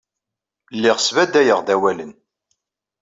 Lliɣ sbadayeɣ-d awalen.